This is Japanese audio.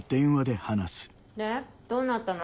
でどうなったの？